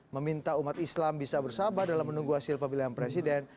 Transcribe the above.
meminta umat islam bisa bersabar dalam menunggu hasil pemilihan presiden